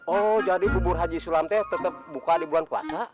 oh jadi kubur haji sulam teh tetep buka di bulan kuasa